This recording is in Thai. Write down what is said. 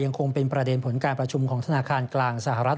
คงเป็นประเด็นผลการประชุมของธนาคารกลางสหรัฐ